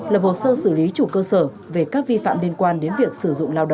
lập hồ sơ xử lý chủ cơ sở về các vi phạm liên quan đến việc sử dụng lao động tại cơ sở